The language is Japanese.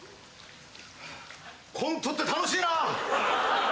コントって楽しいな。